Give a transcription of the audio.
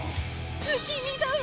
ぶきみだわ！